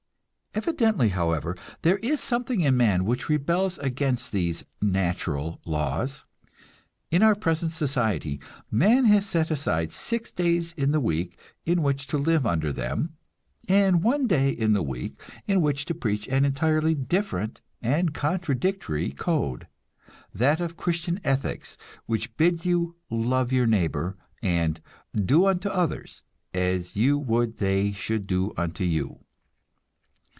Evidently, however, there is something in man which rebels against these "natural" laws. In our present society man has set aside six days in the week in which to live under them, and one day in the week in which to preach an entirely different and contradictory code that of Christian ethics, which bids you "love your neighbor," and "do unto others as you would they should do unto you."